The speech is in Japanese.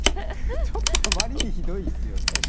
ちょっとあまりにひどいですよね。